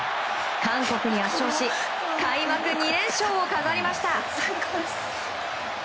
韓国に圧勝し開幕２連勝を飾りました。